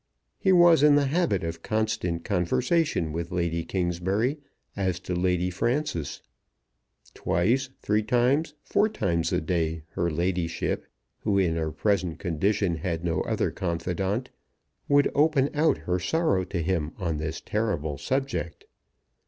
He was in the habit of constant conversation with Lady Kingsbury as to Lady Frances. Twice, three times, four times a day her ladyship, who in her present condition had no other confidant, would open out her sorrow to him on this terrible subject.